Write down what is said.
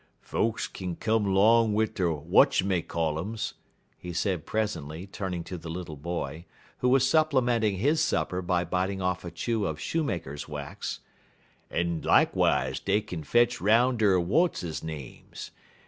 "Folks kin come 'long wid der watchermaycollums," he said presently, turning to the little boy, who was supplementing his supper by biting off a chew of shoemaker's wax, "en likewise dey kin fetch 'roun' der watziznames.